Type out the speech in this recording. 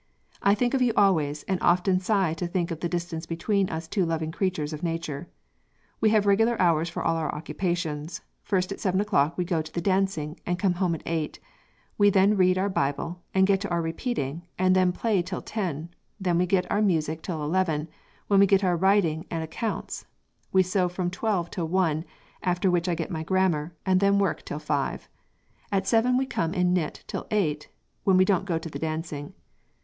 I think of you always and often sigh to think of the distance between us two loving creatures of nature. We have regular hours for all our occupations first at 7 o'clock we go to the dancing and come home at 8 we then read our Bible and get our repeating and then play till ten then we get our music till 11 when we get our writing and accounts we sew from 12 till 1 after which I get my gramer and then work till five. At 7 we come and knit till 8 when we dont go to the dancing.